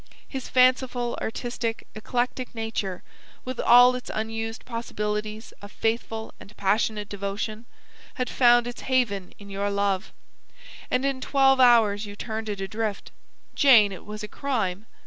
His fanciful, artistic, eclectic nature with all its unused possibilities of faithful and passionate devotion, had found its haven in your love; and in twelve hours you turned it adrift. Jane it was a crime.